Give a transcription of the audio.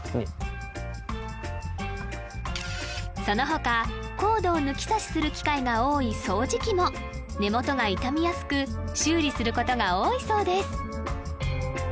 その他コードを抜き差しする機会が多い掃除機も根元が傷みやすく修理することが多いそうです